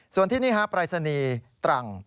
ส่วนที่นี่ฮะปรายศนีย์ตรัง